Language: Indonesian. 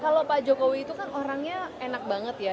kalau pak jokowi itu kan orangnya enak banget ya